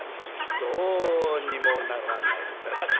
どうにもならないだだっこ。